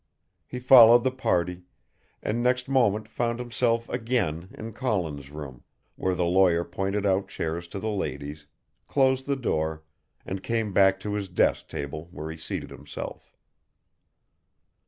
He followed the party, and next moment found himself again in Collins' room, where the lawyer pointed out chairs to the ladies, closed the door, and came back to his desk table where he seated himself.